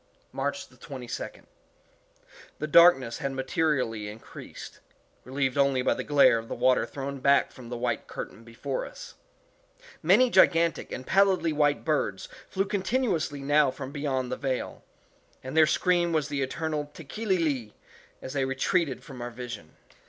March 22d. The darkness had materially increased, relieved only by the glare of the water thrown back from the white curtain before us. Many gigantic and pallidly white birds flew continuously now from beyond the veil, and their scream was the eternal _Tekeli li!_as they retreated from our vision.